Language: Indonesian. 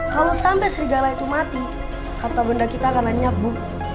kalau sampai serigala itu mati harta benda kita akan lanyak bu